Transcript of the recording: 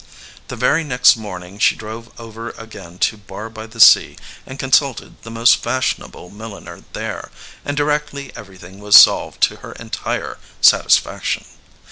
The very next morn ing she drove over again to Barr by the Sea and consulted the most fashionable milliner there, and directly everything was solved to her entire satis faction.